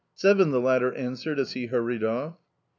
"Seven," the latter answered as he hurried off.